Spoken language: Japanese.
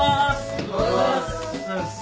おはようございます。